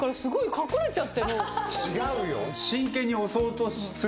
違うよ！